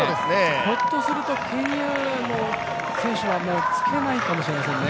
ひょっとするとケニアの選手はもうつけないかもしれないですね。